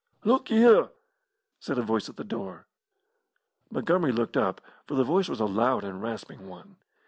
"Look y'ere!" said a voice at the door. Montgomery looked up, for the voice was a loud and rasping one.